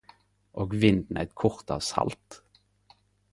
Og vinden eit kort av salt.